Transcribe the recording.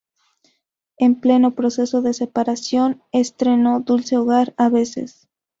En pleno proceso de separación, estrenó "¡Dulce hogar... a veces!